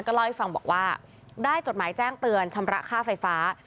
เล่าให้ฟังบอกว่าได้จดหมายแจ้งเตือนชำระค่าไฟฟ้า